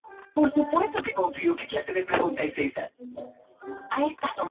Hijo de Venancio Campaña Castillo y Ema Carvajal Toro.